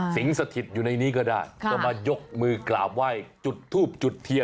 สถิตอยู่ในนี้ก็ได้ก็มายกมือกราบไหว้จุดทูบจุดเทียน